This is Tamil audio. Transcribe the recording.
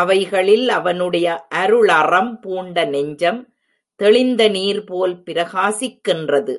அவைகளில் அவனுடைய அருளறம் பூண்ட நெஞ்சம் தெளிந்த நீர் போல் பிரகாசிக்கின்றது.